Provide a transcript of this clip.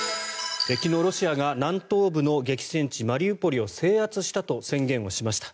昨日、ロシアが南東部の激戦地マリウポリを制圧したと宣言をしました。